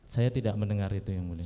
saya tidak mendengar itu yang mulia